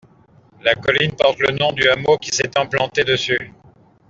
La colline porte le nom du hameau qui s'est implanté dessus.